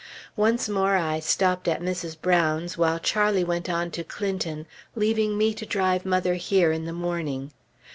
Once more I stopped at Mrs. Brown's, while Charlie went on to Clinton, leaving me to drive mother here in the morning.